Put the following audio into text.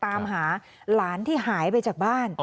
ตามหาหลานที่หายไปจากบ้าน